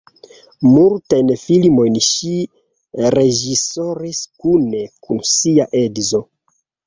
Multajn filmojn ŝi reĝisoris kune kun sia edzo.